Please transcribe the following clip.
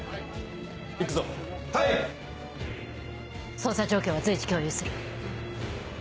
捜査状況は随時共有する。